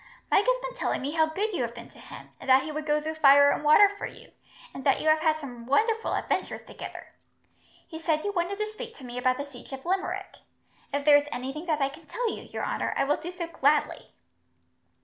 "Mike has been telling me how good you have been to him, and that he would go through fire and water for you, and that you have had some wonderful adventures together. He said you wanted to speak to me about the siege of Limerick. If there is anything that I can tell you, your honour, I will do so gladly."